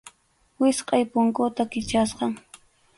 Wichqʼay punkuta Kichasqam.